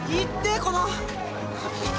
この。